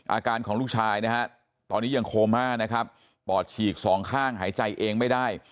อาการของลูกชายนะฮะตอนนี้ยังโคม่านะครับปอดฉีกสองข้างหายใจเองไม่ได้